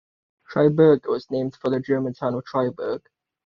Triberga was named for the German town of Triberg.